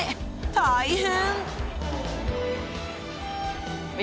大変！